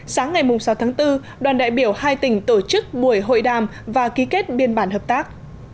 sáng ngày sáu tháng bốn đoàn đại biểu hai tỉnh tổ chức buổi hội đàm và ký kết biên bản hợp tác